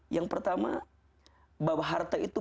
yang pertama bahwa harta itu